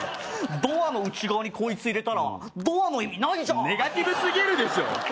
ドアの内側にこいつ入れたらドアの意味ないじゃんネガティブすぎるでしょ